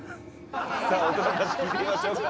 さあ大人たち聞いてみましょうか。